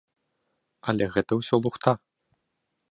Але гэта ўсё лухта.